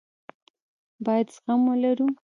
بايد زغم ولرو.